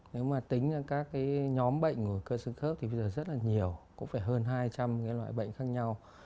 nếu mà tính ra các nhóm bệnh của cơ sương khớp thì bây giờ rất là nhiều cũng phải hơn hai trăm linh loại bệnh khác nhau